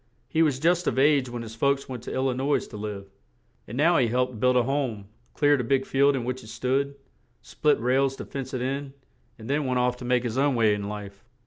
He was just of age when his folks went to Il li nois to live; and now he helped build a home, cleared a big field in which it stood, split rails to fence it in, and then went off to make his own way in life.